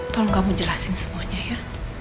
tolong kamu jelasin semuanya ya